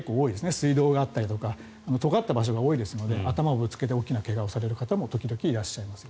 水道があったりとかとがった場所が多いですので頭をぶつけて大きな怪我をしてしまう方もいらっしゃいますよね。